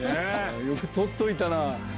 よく取っといたなぁ。